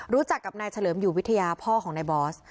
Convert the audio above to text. รู้จักกับนายเฉลิมอยู่วิทยาพ่อของนายบอส